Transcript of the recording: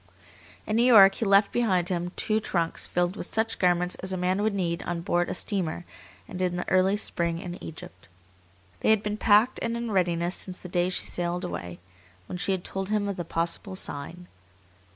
In New York he left behind him two trunks filled with such garments as a man would need on board a steamer and in the early spring in Egypt. They had been packed and in readiness since the day she sailed away, when she had told him of the possible sign.